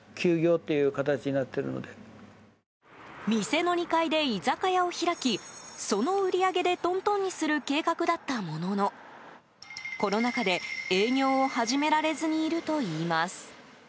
店の２階で居酒屋を開きその売り上げでトントンにする計画だったもののコロナ禍で営業を始められずにいるといいます。